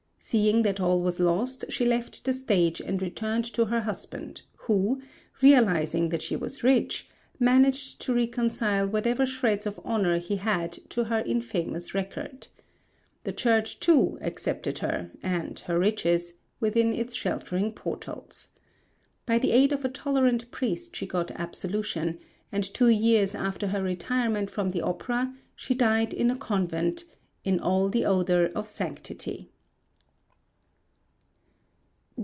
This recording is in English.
Seeing that all was lost, she left the stage and returned to her husband who, realising that she was rich, managed to reconcile whatever shreds of honour he had to her infamous record. The Church, too, accepted her and her riches within its sheltering portals. By the aid of a tolerant priest she got absolution, and two years after her retirement from the opera she died in a convent in all the odour of sanctity.